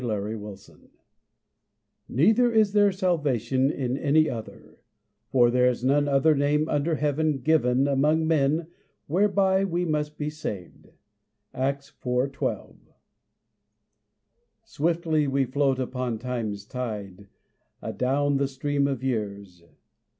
NO OTHER _Neither is there salvation in any other: for there is none other name under heaven given among men whereby we must be saved._ Acts 4:12. Swiftly we float upon time's tide Adown the stream of years.